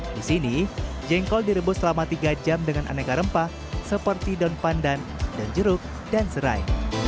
di sini jengkol direbus selama tiga jam dengan aneka rempah seperti daun pandan dan jeruk dan serai